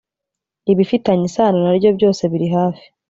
ibifitanye isano naryo byose birihafi.